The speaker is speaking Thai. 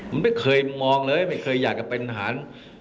มันไม่เคยมองเลยไม่เคยอยากจะเป็นทหาร